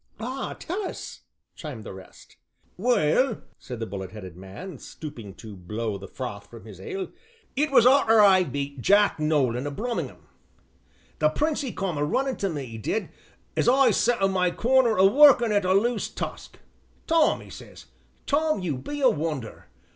"Ah! tell us," chimed the rest. "Well," said the bullet headed man, stooping to blow the froth from his ale, "it was arter I beat Jack Nolan of Brummagem. The Prince 'e come a runnin' to me 'e did, as I sat in my corner a workin' at a loose tusk. 'Tom,' 'e says, 'Tom, you be a wonder.'